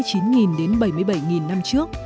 từ sáu mươi chín đến bảy mươi bảy năm trước